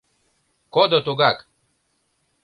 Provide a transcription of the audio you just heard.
— Кодо тугак!